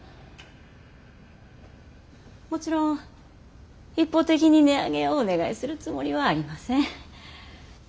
もちろん一方的に値上げをお願いするつもりはありません。